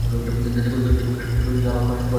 দেখো, ব্যাটা ত্রিলকি, আমি মানুষকে মারার চুক্তি করি।